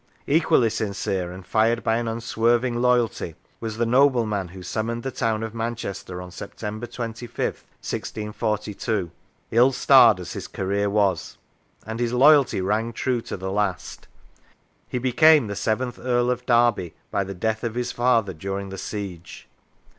Equally sincere, and fired by an unswerving loyalty, was the nobleman who summoned the town of Man chester on September 25th, 1642, ill starred as his career was; and his loyalty rang true to the last. He became the seventh Earl of Derby by the death of his father during the siege.